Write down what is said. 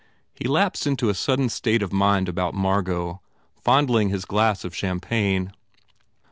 " He lapsed into a sudden state of mind about Margot, fondling his glass of champagne.